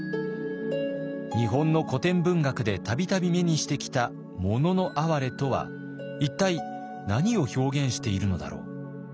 日本の古典文学で度々目にしてきた「もののあはれ」とは一体何を表現しているのだろう？